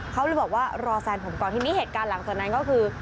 เขาเลยบอกว่ารอแฟนผมก่อนทีนี้เหตุการณ์หลังจากนั้นก็คือ